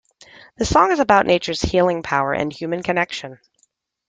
The song is about nature's healing power and human connection.